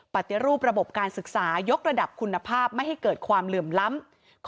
ปฏิรูประบบการศึกษายกระดับคุณภาพไม่ให้เกิดความเหลื่อมล้ำ